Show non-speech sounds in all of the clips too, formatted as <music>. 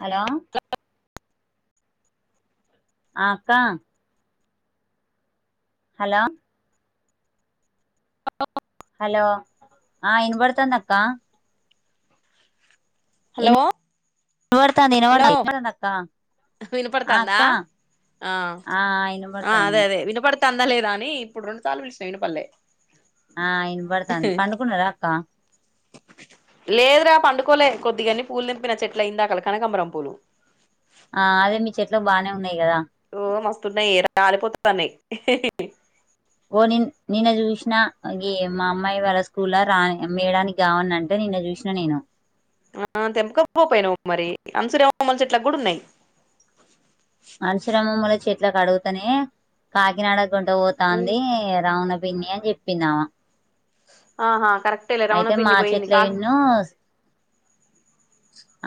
Hello! అక్కా hello hello ఆ వినబడుతుంది అక్క హలో ఇనవాడుతాంది ఇనవాడుతాంది <unintelligible> అక్క ఆ వినపడుతందా అక్క ఆ అదే అదే వినపడు తందలేదని ఇప్పుడు రెండు సార్లు పిలిసినా ఇనపడలే ఆ ఇయినపడతాంది పండుకున్నరా అక్క లేదురా పండుకోలే కొద్దిగన్ని పూలు తెంపిన చెట్ల ఇంయిందాకల కనకంబరం పూలు ఆ అదే మీ చెట్లకు బానే ఉన్నాయి కదా ఓ మస్తున్నయే ఇదా రాలిపోతాన్నాయి ఓ ని నిన్న చూసినా ఈ మా అమ్మాయి వాళ్ళ స్కూల్ లా మేడానికి కావని అంటే నిను నిన్న చూసిన నేను ఆ తెంపకపోపోయినా మరి అంసురమ్మలు చెట్ల కూడా ఉన్నాయి అంసురమ్మమ్ముల చెట్ల కడుగుతనే కాకినాడగోంటపోతాంది రావన పిన్ని అని చెప్పిందావా ఆహా కరెక్టేలే రవణ పిన్ని పోయింది కా చెట్లయిన్ను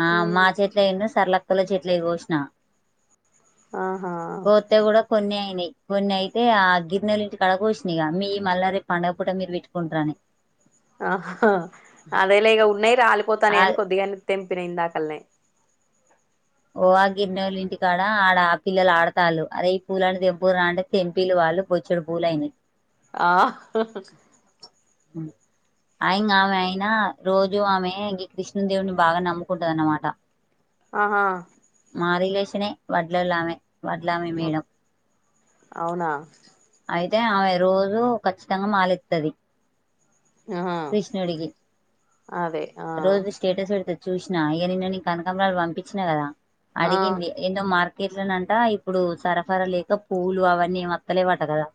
ఆ మా చెట్ల ఏమొ సర్లక్కోల చెట్లయి కోసిన ఆహా పోతే కూడా కొన్ని అయినయి కొన్ని అయితే ఆ గిర్నోలింటి కాడ కోసిన ఇగా మీయి మళ్ల రేపు పండగ పూట మీరు పెట్టుకుంటురని ఆహ అదేలె ఇగ ఉన్నాయి ఆ రాలిపోతాన్నయి అని కొద్దిగని తెంపిన ఇందా కల్నే ఓ ఆ గిర్న్నెలు ఇంటికాడ ఆడ ఆ పిల్లలు ఆడతాళ్ళు అరె ఈ పూల అన్ని తెంపుదురా అంటే తెంపిలు బొచ్చడు పూలయినయి ఆ ఉమ్ ఆ ఇంగా ఆమె అయినా రోజు ఆమె ఇ కృష్ణుదేవుని బాగా నమ్ముకుంటందనమాట ఆహా నే వడ్లోలామే అవునా అయితే ఆమె రోజూ ఖచ్చితంగా మాలెత్తది ఆహా కృష్ణుడికి అదే ఆ రోజు స్టేటస్ పెడుతది చూసిన ఈయ నిన్న కనకంబరాలు పంపించిన కదా ఆ అడిగింది ఎందో మార్ ర్కేట్లనంట ఇప్పుడు సరఫరా లేక పూలు అవన్నీ ఎవత్తలేవాట కదా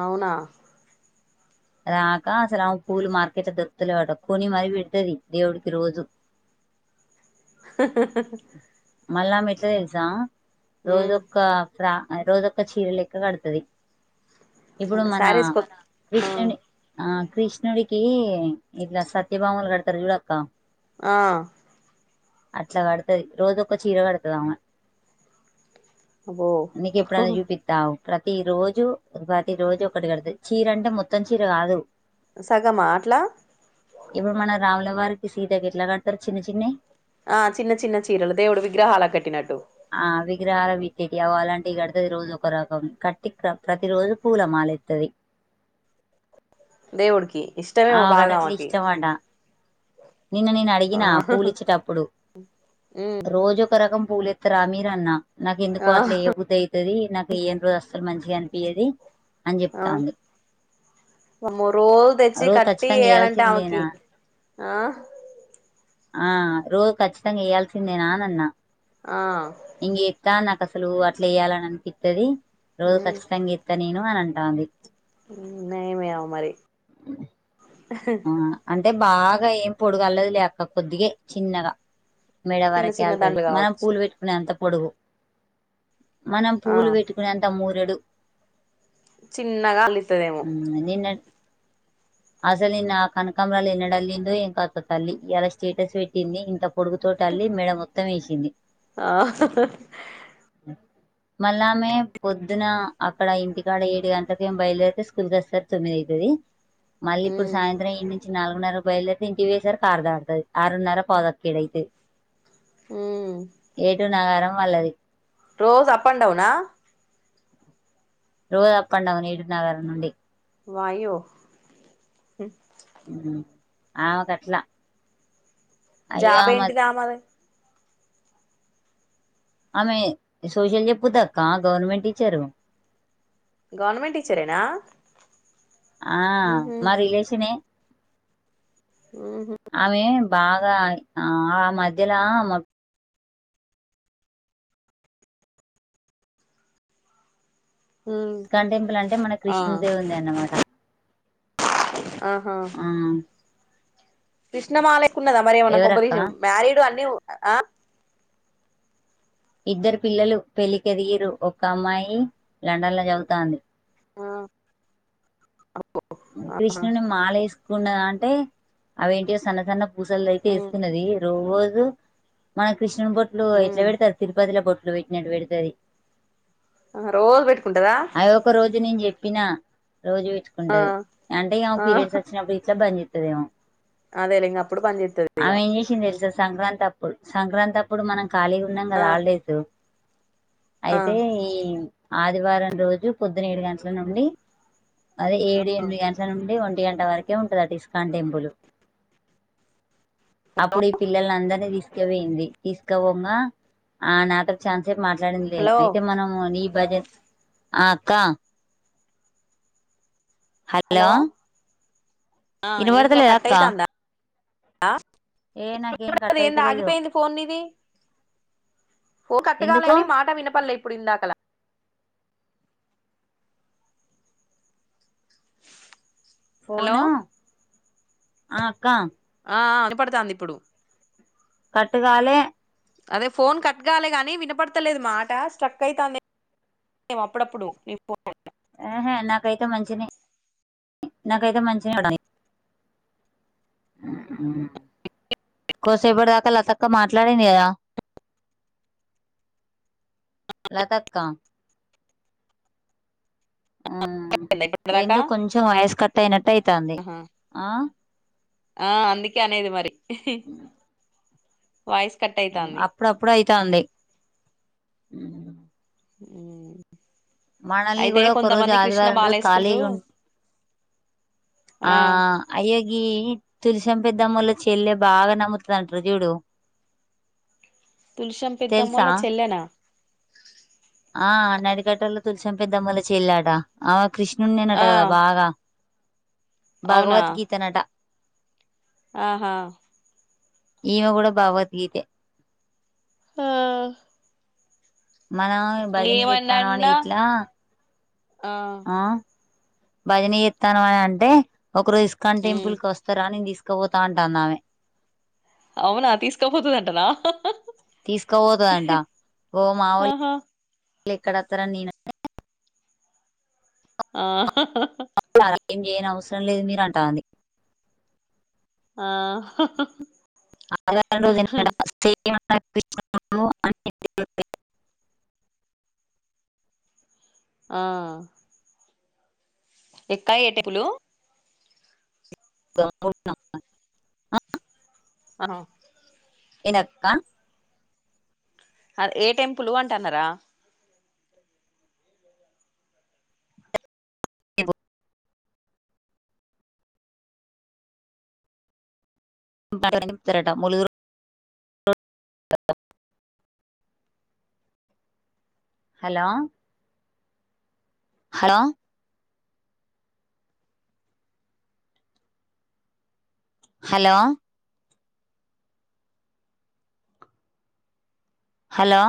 అవునా రాక అసలు ఆ పూలు మార్కెట్ లా దొరుకుతలేవంట కొని మరి పెడుతుది దేవుడికి రోజు మళ్ళా మెట్లా తెలుసా ఉమ్ రోజొక్క ఫ రోజొక్క చీర లెక్క కడుతది ఇప్పుడు మన శారీస్ కొ ఆ కృష్ణుని ఆ కృష్ణుడికి ఇట్లా సత్యభామలు కడతారు చూడక్క ఆ అట్ల కడతది రోజొక్క చీర కడతది అమ్మే అబ్బో నీకెప్పుడైనా చూపిత్తాగు ప్రతి రోజు జు ఉగాది రోజు ఒక్కటి కడ్తది చీర అంటే మొత్తం చీర కాదు సగమా అట్లా ఇప్పుడు మన రాముల వారికి సీతకెట్లా కడ్తరు చిన్న చిన్నయ్ ఆ చిన్న చిన్న చీరలు దేవుడు విగ్రహాలక్ గట్టినట్టు గ్రహాల <unintelligible> అగొ అలాంటివి కడ్తది రోజొక రకం కట్టి క్రమ్ ప్రతిరోజు పూలమాలేత్తది దేవుడికి ఇష్టమేమో ఆమకట బాగా అట్ల ఆమెకి ఇష్టమాట నిన్న నేన్ ఆ అడ్గిన పూలిచ్చేటప్పుడు ఉమ్ రోజొక రకం పూలేత్తరా మీర్ అన్నా నాకెన్దుకో ఆ అట్ల ఏయ్య బుద్ధి అయితది నాకు ఏయ్యన్ రోజు అస్సల్ మంచిగా అన్ పియ్యది అని చెప్తాంది అమ్మో రోజు తెచ్చి రోజు కట్టి ఖచ్చితంగా ఎయ్యాలంటే వేయాల్సిందేనా ఆమెకి ఆ ఆ రోజ్ కచ్చితంగా ఏయాల్సిందేనా అని అన్నా ఆ ఇంగ ఏత్త నాక్ అసల్ లు అట్ల ఏయ్యాలని అన్పిత్తది రోజు ఖచ్చితంగా ఏత్త నేను అని అంటాంది ఊ నయమె ఆమ మరి ఆ అంటె బాగా ఏం పొడుగల్లదిలే అక్క కొద్దిగే చిన్నగా మెడ చిన్న వరకే చిన్న అల్తది దండలు మనం కావచ్చు పూలు వెట్కునే అంత పొడుగు మనం ఆ పూలు వెట్టుకునే అంత మూరెడు చిన్నగా అల్లితదేమో అస్ సల్ నిన్నా కనకంరాల్ ఎన్నడల్లిందో ఏం కథో తల్లి ఇయాల స్టేటస్ వెట్టింది ఇంత పొడుగుతోటల్లి మెడ మొత్తం ఏషింది ఆహహ్ మళ్ళామె పొద్దున అక్కడ ఇంటికాడ ఏడు గంటకి ఏం బైల్దేరితే స్కూల్కొచ్చే సరికి తొమ్మిద్ అయితది మళ్ళ ఇప్పుడ్ ఉమ్ సాయంత్రం ఇన్ని చి నాలుగున్నరక్ బైల్ధేరైతే ఇంటి వోయేసరికి ఆరు దాటుతది ఆరున్నర పౌ దక్క ఏడ్ అయ్తద్ ఉమ్ ఏటు నగారం వాళ్ళది రోజప్ అండ్ డౌనా రోజప్ అండ్ డౌనె ఏడు నగారం నుండి వాయ్యొ ఊ అమక్ అట్ల జాబ్ ఏంటిది ఆమది అమె సోషల్ చెప్పుద్దక్కా గౌర్నమెంట్ టీచరు గవర్నమెంట్ టీచరేనా ఆ ఉహు మా రిలేషనె ఉహు అమె బాగా ఆ ఆ మధ్యల ఆమ ఉ ఇస్కాన్ టెంపుల్ అంటే మన ఆ కృష్ణన్దేవుంది అన్నమాట ఆహ ఆ కృష్ణమాల ఏకున్నద మరి ఏమన్నా ఎవరక్క కొంపదీషి మ్యారీడు అన్ని ఆ ఇద్దరు పిల్లలు పెళ్ళికెదిగిర్రు ఒక్క అమ్మాయి లండన్ ల చవుతాంది ఆ ఆహా కృష్ణుని మాలేస్కున్నద అంటే అవెంటియో సన్న సన్నప్ పూసల్దయితే ఏస్కున్నది రోజు మన కృష్ణున్ బొట్లు ఎట్ల ఉ వెడ్తరు తిర్పతిల బొట్ ట్లు వెట్టినట్టు వెడ్తది రోజు పెట్టుకుంటదా అది ఒక రోజు నేన్ చెప్ ప్పినా రోజు ఆ వెట్కుంటది అంటే ఆమె ఆ పీరియడ్స్ వచ్చినప్పుడు ఇట్లా బంచెత్తదేమో అదేలె ఇంగ అప్పుడు బంజేత్తది ఇగ సంక్రాంతప్పుడు సంక్రాంతప్పుడు మనం ఖాళీగున్నం ఆ గదా హాల్డేసు ఆ అయితే ఈ ఆదివారం రోజు పొద్దునేడుగంట్ల నుండి అదె ఏడు ఎన్మిద్ గంట్ల నుండి ఒంటి గంట వరకే ఉంటదట ఇస్కాన్ టెంపులు అప్పుడ్ ఈ పిల్లల్ అందర్ని తీస్కవోయింది తీస్కవోంగా ఆ నాతోన్ ఛాన్స్ ప్ మాట్లాడిందిలే హలో అయితే మనము నీ బజెట్ ఆ అక్క హలో ఆ ఏంద్రా వినబడతలేదా అక్క కట్టయితాందా ఆ ఏ నాకేం ఇప్పుడిప్పు అది కట్ ఏంది అయితలేదు ఆగిపోయింది ఫోన్ నీది ఓ ఎందుకు కట్టుగాలెగని మాట వినపడలే ఇప్పుడు ఇందాకలా హలో ఫోను ఆ అక్క ఆ ఆ వీణపడతాందిప్పుడు కట్టుగాలె అదే ఫోన్ కట్గాలే గాని వినపడతలేదు మాట స్ట్రక్ అయితంది అప్పుడప్పుడు నీ ఫోన్ యెహేయ్ నాకైతే మంచినె నాకైతే మంచిగనె ఉమ్ హు కోసేపటి దాకా లతక్క మాట్లాడింది కదా లతక్క ఉమ్ ఉందా ఇప్పటి దాకా ఏందో కొంచెం వాయిస్ కట్టు అయినట్టు అయితంది ఆహా ఆ ఆ అందుకే అనేది మరి హిహి అప్పుడప్పుడయితాంది ఉమ్ అయితే కూడా ఒక రోజు కొంతమంది కృష్ణ ఆదివారం రోజు మాలేస్కూ నురు ఖాళీగా ఉం ఆ అయ్యో గీ తులసం పెద్దామ్మొళ్ల చెల్లె బాగా నమ్ముతుందంటారు చూడు తులసం తెలుసా పెద్దామ్మొల్ల చెల్లెనా ఆ నడికట్టలో తులసం పెద్దమ్మొల చెల్లట ఆ కృష్ణన్నేనట ఆ కదా బాగా అవునా భగవద్గీత నట ఆహా ఈమె కూడా భగవద్గీతే హా మనం భజన చెస్థాన్నం అని ఏమన్నాన్నా గిట్లా ఆ భజన చేత్తన్నమనంటే ఒక రోజు ఇస్కాన్ ఉమ్ టెంపుల్ కి వస్తారా నేను తీసుకు క పోతాంటందామే అవునా తీసుకపోతదంటన హహ తీసుకోపోతుదంట ఓ ఆహా మావొళ్లేక్కడత్తరని నేనంటే ఆ హ హ హ హ అలా ఏం చేయనవసరం లేదు మీరంటాంది ఆ హ్ హ్ అ <unintelligible> <inaudible> ఆ ఎక్క ఏటేబులూ <inaudible> ఆ వెనక్కా అది ఏ టెంపులూ అంటన్నారా <inaudible> హలో హలో హలో హలో